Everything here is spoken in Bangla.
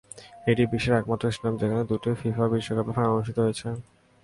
এটি বিশ্বের একমাত্র স্টেডিয়াম যেখানে দুইটি ফিফা বিশ্বকাপের ফাইনাল অনুষ্ঠিত হয়েছে।